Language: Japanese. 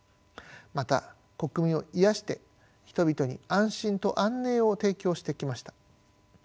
また国民を癒やして人々に安心と安寧を提供してきました。